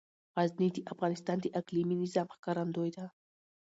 غزني د افغانستان د اقلیمي نظام ښکارندوی ده.